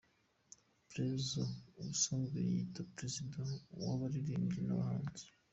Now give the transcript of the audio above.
Prezzo ubusanzwe wiyita Perezida wabaririmbyi nabahanzi.